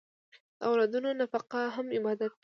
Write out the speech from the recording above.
د اولادونو نفقه هم عبادت دی.